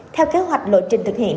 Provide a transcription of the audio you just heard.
theo kế hoạch lộ trình thực hiện